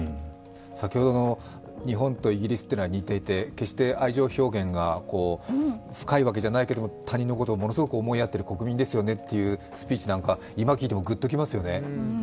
先ほどの日本とイギリスというのは似ていて、決して愛情表現が深いわけではないけれども、他人のことをすごく思いやっている国民ですよねというスピーチなんか今聞いてもグッときますよね。